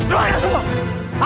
terolah itu semua